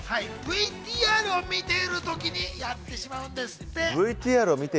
ＶＴＲを見ている時にやってしまうんですって。